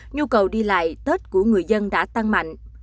nhu cầu đi lại tết của người dân đã tăng mạnh